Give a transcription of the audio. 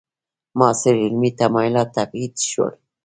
معاصر علمي تمایلات تبعید شول.